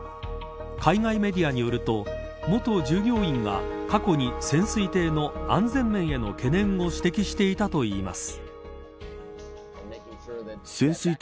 海外メディアによると元従業員が、過去に潜水艇の安全面への懸念を指摘していたといいます。